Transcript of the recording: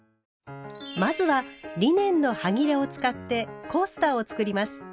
まずはリネンのはぎれを使って「コースター」を作ります。